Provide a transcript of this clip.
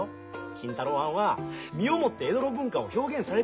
金太郎はんは身をもって江戸の文化を表現されておる。